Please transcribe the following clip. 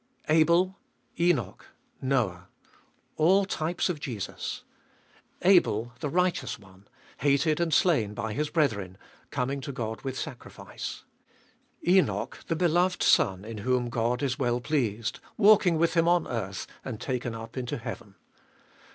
1. Abel, Enoch, Noah: all types of Jesus. Abel: the righteous one, hated and slain by his brethren, coming to Qod with sacrifice. Enoch : the beloved son, in whom God is well pleased, walking with Him on earth, and taken up into heaven.